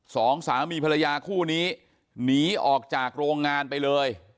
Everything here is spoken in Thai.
สองสามีภรรยาคู่นี้หนีออกจากโรงงานไปเลย